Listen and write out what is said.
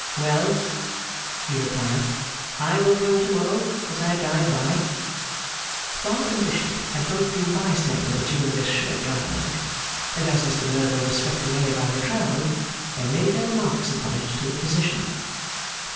'Well!' he replied. 'I will come to morrow as I drive by.' Bar and Bishop had both been bystanders during this short dialogue, and as Mr Merdle was swept away by the crowd, they made their remarks upon it to the Physician.